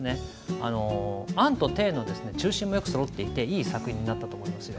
「安」と「定」の中心もよくそろっていていい作品になったと思いますよ。